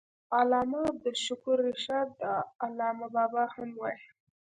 علامه عبدالشکور رشاد ته علامه بابا هم وايي.